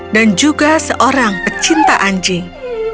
dan juga seorang pecinta anjing